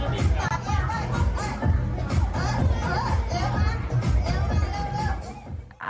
เออเออเออเร็วมาเร็วมาเร็วเร็ว